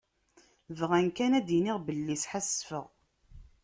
Bɣan kan ad d-iniɣ belli sḥassfeɣ.